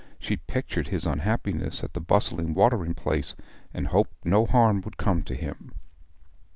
She pictured his unhappiness at the bustling watering place, and hoped no harm would come to him.